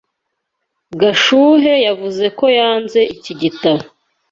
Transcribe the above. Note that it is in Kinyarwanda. Gashuhe yavuze ko yanze iki gitabo.